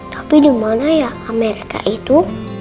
tapi di mana ya amerika itu